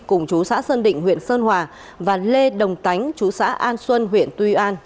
cùng chú xã sơn định huyện sơn hòa và lê đồng tánh chú xã an xuân huyện tuy an